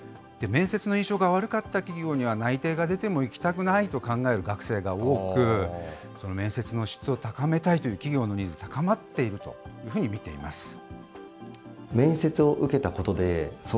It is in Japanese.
面接の印象が悪かった企業には、内定が出ても行きたくないと考える学生が多く、面接の質を高めたいという企業のニーズ、高まっているというふうに見ています。